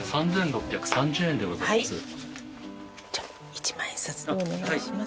一万円札でお願いします。